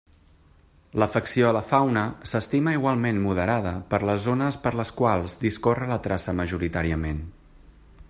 L'afecció a la fauna s'estima igualment moderada per les zones per les quals discorre la traça majoritàriament.